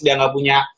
dia nggak punya